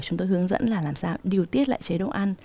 chúng tôi hướng dẫn là làm sao điều tiết lại chế độ ăn